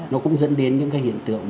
nó cũng dẫn đến những cái hiện tượng